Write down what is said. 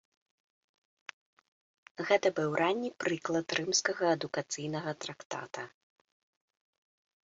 Гэта быў ранні прыклад рымскага адукацыйнага трактата.